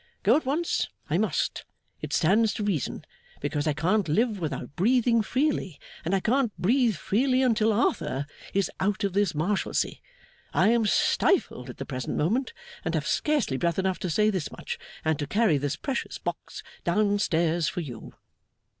Go at once I must, it stands to reason; because I can't live without breathing freely; and I can't breathe freely until Arthur is out of this Marshalsea. I am stifled at the present moment, and have scarcely breath enough to say this much, and to carry this precious box down stairs for you.